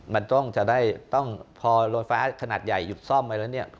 มันต้องจะได้ต้องพอรถฟ้าขนาดใหญ่หยุดซ่อมไปแล้วเนี่ย